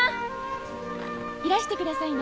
いらしてくださいね